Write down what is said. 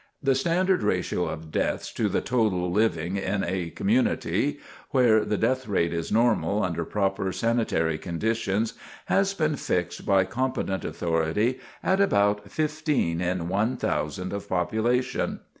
The standard ratio of deaths to the total living in a community, where the death rate is normal under proper sanitary conditions, has been fixed by competent authority at about 15 in 1,000 of population.